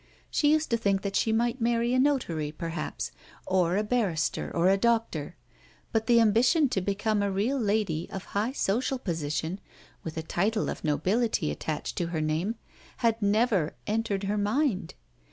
She used to think that she might marry a notary, perhaps, or a barrister or a doctor; but the ambition to become a real lady of high social position, with a title of nobility attached to her name had never entered her mind.